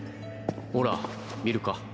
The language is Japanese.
ほら見るか。